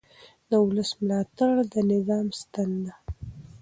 د ولس ملاتړ د نظام ستنه ده